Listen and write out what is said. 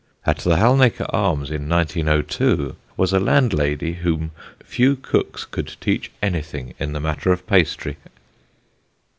At the Halnaker Arms in 1902 was a landlady whom few cooks could teach anything in the matter of pastry.